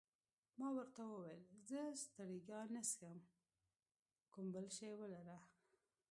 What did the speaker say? ما ورته وویل: زه سټریګا نه څښم، کوم بل شی ولره.